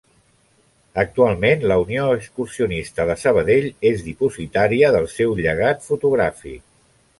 Actualment la Unió Excursionista de Sabadell és dipositària del seu llegat fotogràfic.